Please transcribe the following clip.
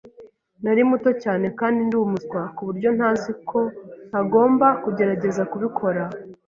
Nari muto cyane kandi ndi umuswa kuburyo ntazi ko ntagomba kugerageza kubikora.